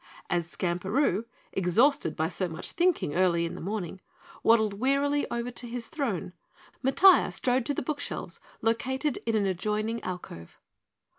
As Skamperoo, exhausted by so much thinking early in the morning, waddled wearily over to his throne, Matiah strode to the book shelves located in an adjoining alcove.